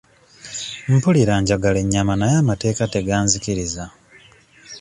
Mpulira njagala ennyama naye amateeka teganzikiriza.